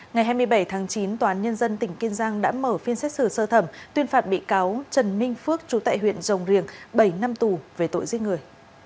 ngày hai mươi bảy tháng chín tòa án nhân dân tỉnh kiên giang đã mở phiên xét xử sơ thẩm tuyên phạt bị cáo trần minh phước chú tại huyện rồng riềng bảy năm tù về tội giết người